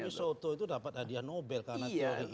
tapi soto itu dapat hadiah nobel karena teori